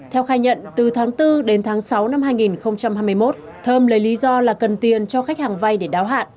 theo khai nhận từ tháng bốn đến tháng sáu năm hai nghìn hai mươi một thơm lấy lý do là cần tiền cho khách hàng vay để đáo hạn